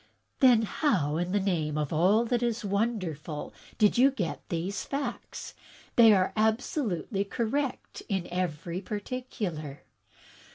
"Then how in the name of all that is wonderful did you get these facts? They are absolutely correct in every particular."